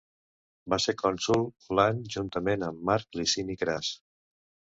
Va ser cònsol l'any juntament amb Marc Licini Cras.